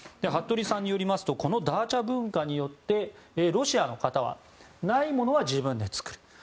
服部さんによりますとこのダーチャ文化によってロシアの方はないものは自分で作る。